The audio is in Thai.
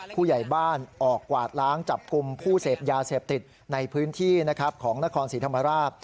ผู้ใหญ่บ้านออกกวาดล้างจับกลุ่มผู้เสพยาเสพติดในพื้นที่นะครับของนครศรีธรรมราช